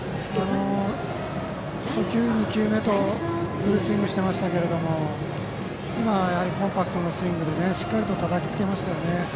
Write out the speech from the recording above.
初球、２球目とフルスイングしていましたが今、コンパクトなスイングでしっかりたたきつけました。